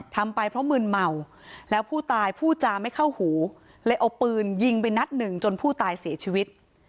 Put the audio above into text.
ทำไปเพราะมืนเมาแล้วผู้ตายพูดจาไม่เข้าหูเลยเอาปืนยิงไปนัดหนึ่งจนผู้ตายเสียชีวิต